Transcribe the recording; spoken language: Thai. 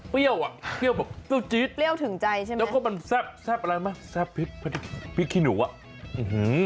อ่ะเปรี้ยวแบบเปรี้ยวจี๊ดเปรี้ยวถึงใจใช่ไหมแล้วก็มันแซ่บแซ่บอะไรไหมแซ่บพริกพริกขี้หนูอ่ะอื้อหือ